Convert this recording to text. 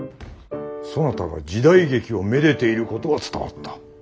そなたが時代劇をめでていることは伝わった。